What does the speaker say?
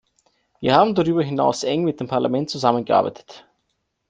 Wir haben darüber hinaus eng mit dem Parlament zusammengearbeitet.